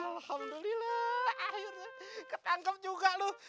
alhamdulillah akhirnya ketangkep juga loh